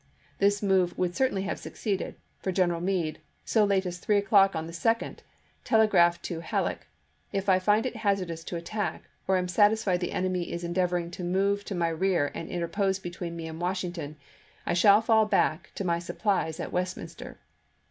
This move would certainly have succeeded ; for General Meade, so late as three o'clock on the 2d, tele graphed to Halleck: "If I find it hazardous to [attack] or am satisfied the enemy is endeavoring to move to my rear and interpose between me and Washington, I shall fall back to my supplies at Westminster."